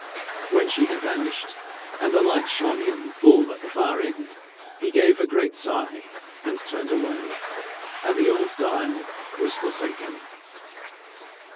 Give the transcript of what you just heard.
When she had vanished, and the light shone in full at the far end, he gave a great sigh and turned away, and the old dial was forsaken.